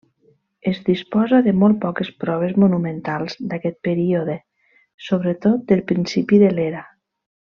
Es disposa de molt poques proves monumentals d'aquest període, sobretot del principi de l'era.